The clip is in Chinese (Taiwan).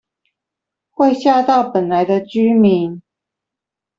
會嚇到本來的居民